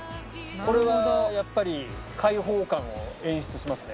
これはやっぱり開放感を演出しますね。